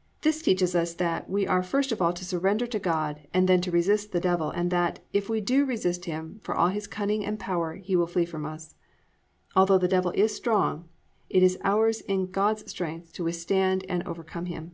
"+ This teaches us that, _we are first of all to surrender to God and then to resist the Devil and that, if we do resist him, for all his cunning and power, he will flee from us_. Although the Devil is strong, it is ours in God's strength to withstand him and overcome him.